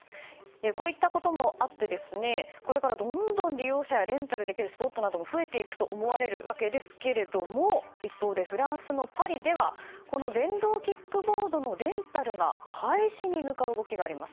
こういったこともあってこれから、どんどん利用者やレンタルできるスポットなども増えていくと思われるわけですけれども一方でフランスのパリでは電動キックボードのレンタルが廃止に向かう動きがあります。